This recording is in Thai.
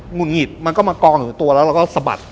ุดหงิดมันก็มากองอยู่กับตัวแล้วเราก็สะบัด